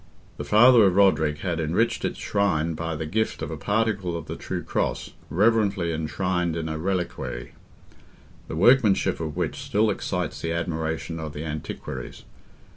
The father of Roderick had enriched its shrine by the gift of a particle of the true Cross, reverently enshrined in a reliquary, the workmanship of which still excites the admiration of the antiquaries.